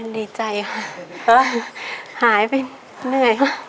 ดีใจค่ะก็หายไปเหนื่อย